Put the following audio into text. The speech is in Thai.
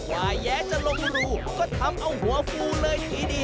แย้จะลงรูก็ทำเอาหัวฟูเลยทีเดียว